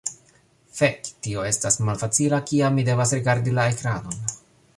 Fek, tio estas malfacila kiam mi devas rigardi la ekranon.